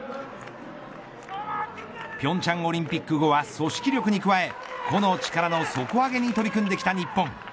平昌オリンピック後は組織力に加え個の力の底上げに取り組んできた日本。